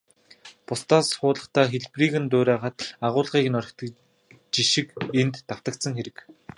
Бусдаас хуулахдаа хэлбэрийг нь дуурайгаад, агуулгыг нь орхидог жишиг энд давтагдсан хэрэг.